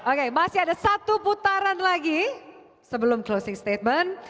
oke masih ada satu putaran lagi sebelum closing statement